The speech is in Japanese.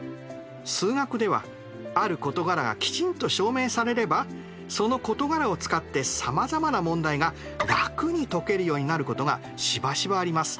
数学ではある事柄がきちんと証明されればその事柄を使ってさまざまな問題が楽に解けるようになることがしばしばあります。